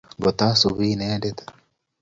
Ngot asubi lnendet